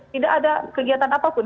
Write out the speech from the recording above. tidak ada kegiatan apapun